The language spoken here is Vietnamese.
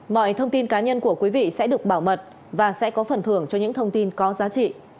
mọi thông tin cá nhân của quý vị sẽ được bảo mật và sẽ có phần thưởng cho những thông tin có giá trị